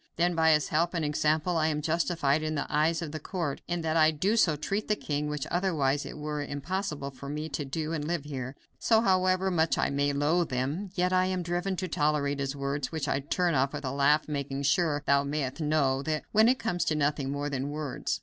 Then, by his help and example I am justified in the eyes of the court in that I so treat the king, which otherwise it were impossible for me to do and live here. So, however much I may loathe them, yet I am driven to tolerate his words, which I turn off with a laugh, making sure, thou mayest know, that it come to nothing more than words.